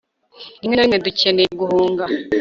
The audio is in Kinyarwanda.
rimwe na rimwe, dukenera guhunga